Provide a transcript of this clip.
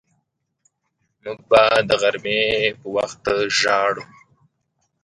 موږ به د غرمې په وخت ژاړو